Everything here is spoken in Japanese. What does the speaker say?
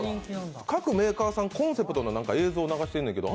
各メーカーさん、コンセプトの映像流してるんだけど＆